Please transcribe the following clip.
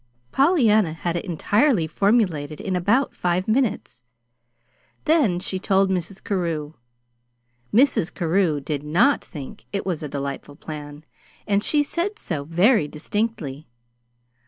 Pollyanna had it entirely formulated in about five minutes; then she told Mrs. Carew. Mrs. Carew did not think it was a delightful plan, and she said so very distinctly.